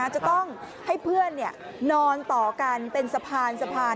จะต้องให้เพื่อนนอนต่อกันเป็นสะพานสะพาน